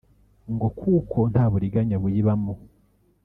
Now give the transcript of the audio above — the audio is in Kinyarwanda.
ngo kuko nta buriganya buyibamo